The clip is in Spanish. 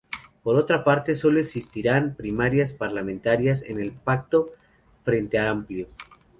Por otra parte, sólo existirán primarias parlamentarias en el pacto Frente Amplio.